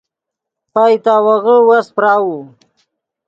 پئیتاوغّے وس پراؤو